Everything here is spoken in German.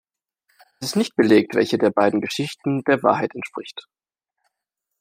Es ist nicht belegt, welche der beiden Geschichten der Wahrheit entspricht.